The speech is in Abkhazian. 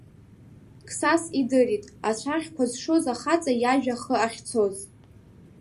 Қсас идырт ацәаӷьқәа зшоз ахаҵа иажәа ахы ахьцоз.